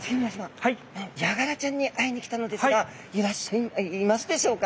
ヤガラちゃんに会いに来たのですがいますでしょうか。